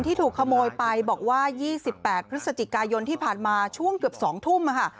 ที่ถูกขโมยไปบอกว่ายี่สิบแปดพฤศจิกายนที่ผ่านมาช่วงเกือบสองทุ่มค่ะ